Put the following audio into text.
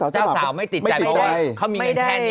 เจ้าสาวไม่ติดใจเพราะว่าเขามีเงินแค่นี้